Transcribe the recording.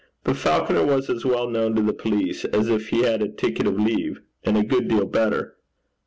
But Falconer was as well known to the police as if he had a ticket of leave, and a good deal better.